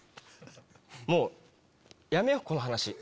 もうやめようこの話。